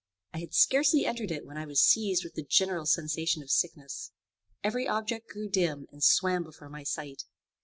I had scarcely entered it when I was seized with a general sensation of sickness. Every object grew dim and swam before my sight.